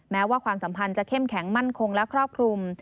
แม้ว่าความสัมพันธ์จะเข้มแข็งมั่นคงและครอบคลุม